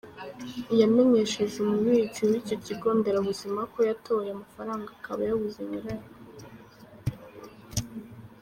Yamenyesheje umubitsi w’icyo kigo nderabuzima ko yatoye amafaranga akaba yabuze nyirayo.